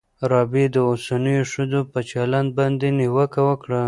رابعې د اوسنیو ښځو په چلند باندې نیوکه وکړه.